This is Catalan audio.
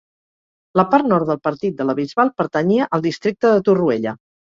La part nord del partit de la Bisbal pertanyia al districte de Torroella.